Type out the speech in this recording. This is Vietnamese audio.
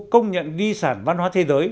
công nhận di sản văn hóa thế giới